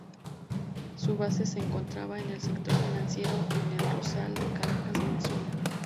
Su base se encontraba en el sector financiero de El Rosal en Caracas, Venezuela.